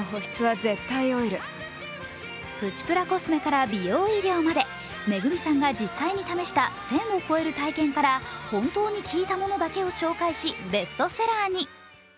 プチプラスコメから美容医療までＭＥＧＵＭＩさんが実際に試した１０００を超える体験から本当に効いたものだけを紹介し、ベストセラーに。